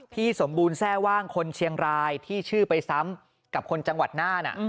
พี่สมบูรณ์แทร่ว่างคนเชียงรายที่ชื่อไปซ้ำกับคนจังหวัดน่าน